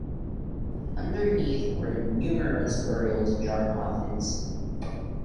Underneath were numerous burials in jar coffins.